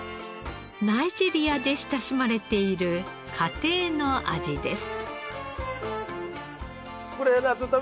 ナイジェリアで親しまれている家庭の味です。